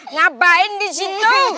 ngapain di situ